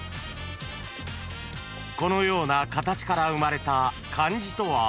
［このような形から生まれた漢字とは何？］